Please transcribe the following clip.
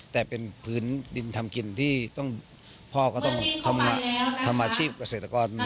แต่เป็นพื้นดินทำกินที่พ่อก็ต้องทำอาชีพเกษตรกร